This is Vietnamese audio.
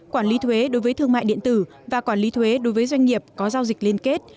quản lý thuế đối với thương mại điện tử và quản lý thuế đối với doanh nghiệp có giao dịch liên kết